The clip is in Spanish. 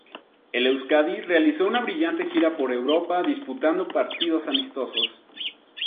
El Euskadi realizó una brillante gira por Europa disputando partidos amistosos.